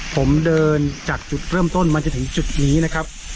ผมเดินจากจุดเริ่มต้นมาจนถึงจุดนี้นะครับ